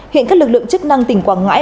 hiện các lực lượng chức năng tỉnh quảng ngãi